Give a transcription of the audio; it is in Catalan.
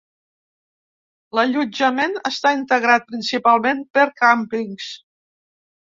L'allotjament està integrat principalment per càmpings.